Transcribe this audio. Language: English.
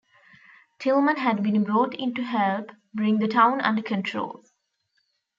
Tilghman had been brought in to help bring the town under control.